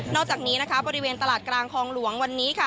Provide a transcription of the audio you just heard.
อกจากนี้นะคะบริเวณตลาดกลางคลองหลวงวันนี้ค่ะ